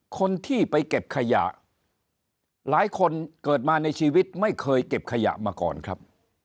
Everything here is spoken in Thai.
คนที่ไปเก็บขยะหลายคนเกิดมาในชีวิตไม่เคยเก็บขยะมาก่อนครับ